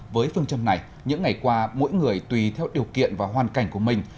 với phương châm này những ngày qua mỗi người tùy theo điều kiện và hoàn cảnh của mình